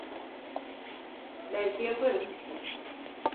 Belki yaparım.